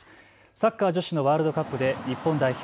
サッカー女子のワールドカップで日本代表